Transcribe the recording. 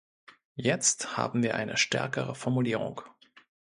Jetzt haben wir eine stärkere Formulierung.